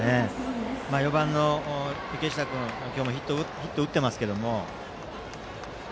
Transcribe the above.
４番の池下君は今日もヒットを打っていますけど。